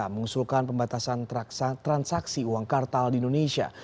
mengusulkan pembatasan transaksi uang kartal di indonesia